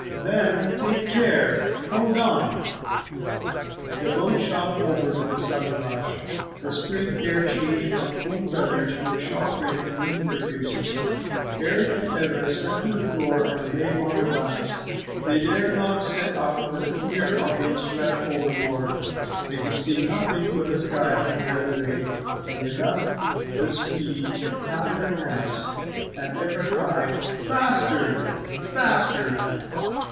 "Then take care! Hold on!" The boat shot forward with a sudden rush. The spring air changed from cool feathers to a sharp wing beating their faces. Eric and Ivra slipped to the floor and lay on their backs. They dared not sit up for fear of being swept overboard. They could see nothing but the sky from where they lay, but they loved the speed, and clapped their hands, and Ivra cried, "Faster, faster!"